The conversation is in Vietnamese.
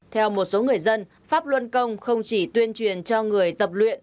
theo một số người dân pháp luân công không chỉ tuyên truyền cho người tập luyện